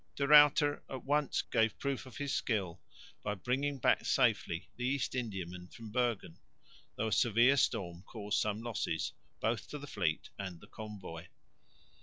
De Ruyter at once gave proof of his skill by bringing back safely the East Indiamen from Bergen, though a severe storm caused some losses, both to the fleet and the convoy.